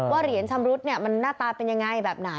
เหรียญชำรุดมันหน้าตาเป็นยังไงแบบไหน